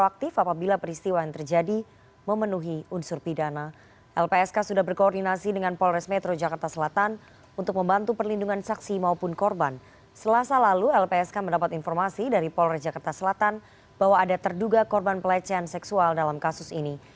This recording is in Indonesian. kepadanya polres jakarta selatan bahwa ada terduga korban pelecehan seksual dalam kasus ini